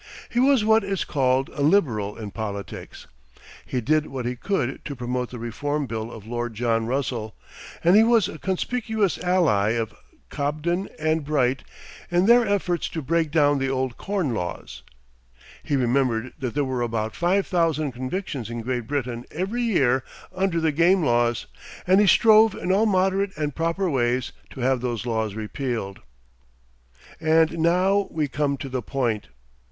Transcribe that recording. He was what is called a Liberal in politics. He did what he could to promote the reform bill of Lord John Russell, and he was a conspicuous ally of Cobden and Bright in their efforts to break down the old corn laws. He remembered that there were about five thousand convictions in Great Britain every year under the game laws, and he strove in all moderate and proper ways to have those laws repealed. And now we come to the point.